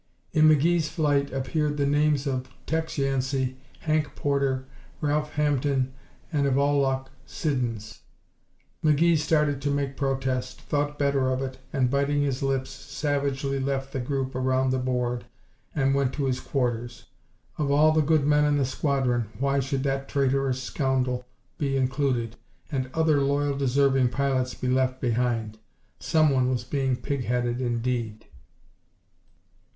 In McGee's flight appeared the names of Tex Yancey, Hank Porter, Randolph Hampden, and of all luck Siddons! McGee started to make protest, thought better of it, and biting his lips savagely left the group around the board and went to his quarters. Of all the good men in the squadron, why should that traitorous scoundrel be included and other loyal deserving pilots be left behind? Someone was being pig headed indeed!